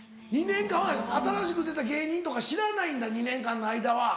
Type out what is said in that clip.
２年か新しく出た芸人とか知らないんだ２年間の間は。